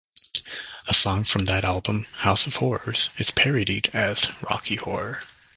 A song from that album, "House of Horrors", is parodied as "Rocky Horror".